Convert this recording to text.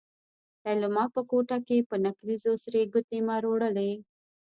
ليلما په کوټه کې په نکريزو سرې ګوتې مروړلې.